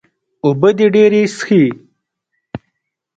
اوبۀ دې ډېرې څښي